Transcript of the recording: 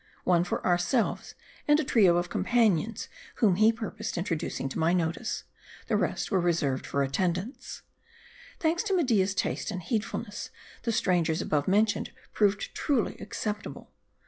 One for ourselves, and a trio of companions whom he purposed introducing to my notice ; the rest were reserved for attendants, Thanks to Media's taste and needfulness, the strangers above mentioned proved truly acceptable.